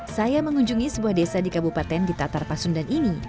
saya mengunjungi sebuah desa di kabupaten di tatar pasundan ini